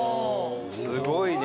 すごいね！